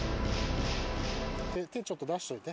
手ちょっと出しといて。